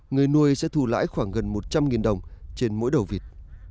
người nuôi sẽ thu lãi khoảng gần một trăm linh đồng trên mỗi đầu vịt